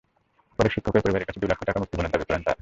পরে শিক্ষকের পরিবারের কাছে দুই লাখ টাকা মুক্তিপণ দাবি করেন তাঁরা।